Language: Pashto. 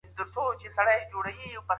دغسي بلنه دي نه مني.